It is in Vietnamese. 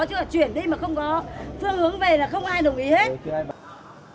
chứ là chuyển đi mà không có phương hướng về là không ai đồng ý hết